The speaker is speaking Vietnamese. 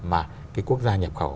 mà cái quốc gia nhập khẩu